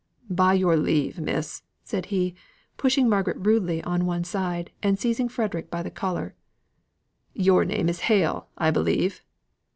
"By your leave, miss!" said he, pushing Margaret rudely on one side, and seizing Frederick by the collar. "Your name is Hale, I believe?"